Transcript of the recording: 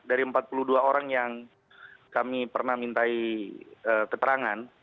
dari empat puluh dua orang yang kami pernah mintai keterangan